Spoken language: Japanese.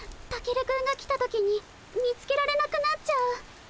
タケルくんが来た時に見つけられなくなっちゃう。